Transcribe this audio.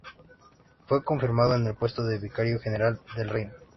Fue confirmado en el puesto de vicario general del reino.